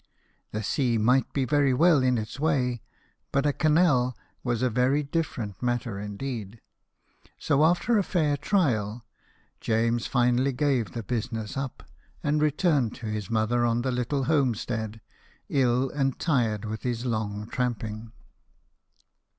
The sea might be very well in its way ; but a canal was a very different matter indeed. So after a fair trial, James finally gave the busi ness up, and returned to his mother on the little homestead, ill and tired with his long tramping.